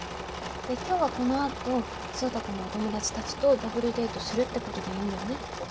で今日はこのあと壮太君のお友達たちとダブルデートするってことでいいんだよね？